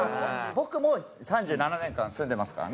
僕も３７年間住んでますからね。